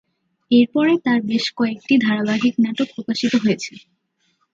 এরপরে তার বেশ কয়েকটি ধারাবাহিক নাটক প্রকাশিত হয়েছে।